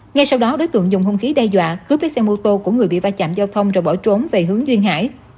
ngay sau đó đối tượng dùng hung khí đe dọa cướp chiếc xe mô tô của người bị vai chạm giao thông rồi bỏ trốn về hướng duyên hải